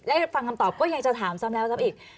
และฟังคำตอบก็ยังจะถามซ้ำแล้วซ้ำอีก